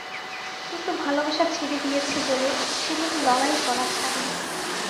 কিন্তু ভালোবাসা ছেড়ে দিয়েছে বলে, সে কিন্তু লড়াই করা ছাড়েনি।